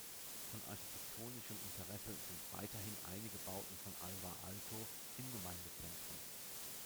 Von architektonischem Interesse sind weiterhin einige Bauten von Alvar Aalto im Gemeindezentrum.